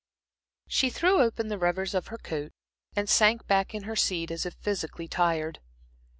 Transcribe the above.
She threw open the revers of her coat, and sank back in her seat as if physically tired.